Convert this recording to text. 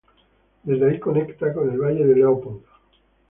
Desde ahí conecta con el valle de Leopold.